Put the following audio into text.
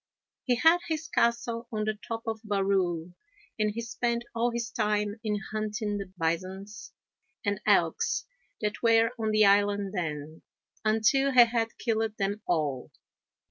He had his castle on the top of Barrule, and he spent all his time in hunting the bisons and elks that were on the island then, until he had killed them all.